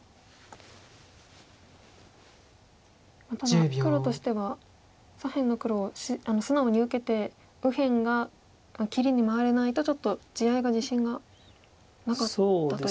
ただ黒としては左辺の黒を素直に受けて右辺が切りに回れないとちょっと地合いが自信がなかったと。